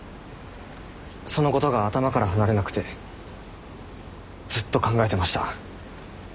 そのことが頭から離れなくてずっと考えてました。